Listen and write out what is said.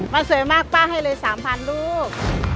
ป้าสวยมากป้าให้เลย๓๐๐๐บาทลูก